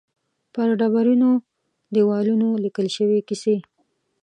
پر ډبرینو دېوالونو لیکل شوې کیسې.